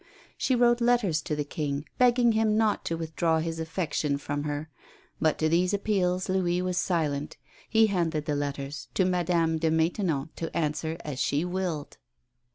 She wrote letters to the King begging him not to withdraw his affection from her, but to these appeals Louis was silent; he handed the letters to Madame de Maintenon to answer as she willed.